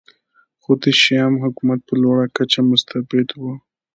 خو د شیام حکومت په لوړه کچه مستبد و